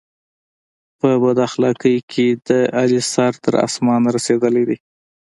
په بد اخلاقی کې د علي سر تر اسمانه رسېدلی دی.